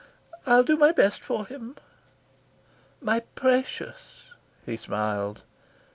I'll do my best for him." "My precious," he smiled.